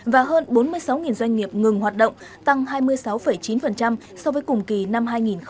và hơn bốn mươi sáu nghìn doanh nghiệp ngừng hoạt động tăng hai mươi sáu chín so với cùng kỳ năm hai nghìn hai mươi hai